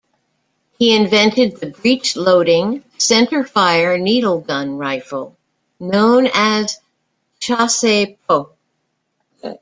He invented the breech-loading, center-fire needle gun rifle known as the Chassepot.